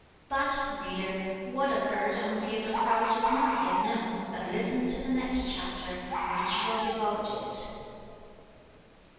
But, reader, what occurred on his approach is not yet known, but listen to the next chapter, which will divulge it.